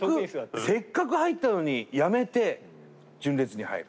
せっかく入ったのにやめて純烈に入る。